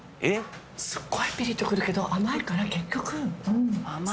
すごいピリッとくるけど甘いから結局。